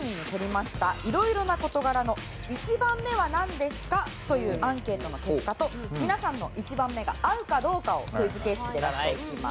色々な事柄の１番目はなんですか？というアンケートの結果と皆さんの１番目が合うかどうかをクイズ形式で出していきます。